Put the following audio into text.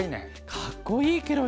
かっこいいケロよ。